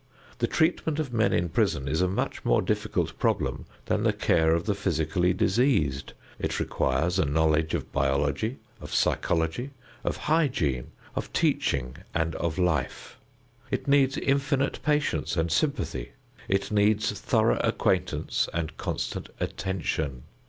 The treatment of men in prison is a much more difficult problem than the care of the physically diseased. It requires a knowledge of biology, of psychology, of hygiene, of teaching and of life; it needs infinite patience and sympathy; it needs thorough acquaintance and constant attention.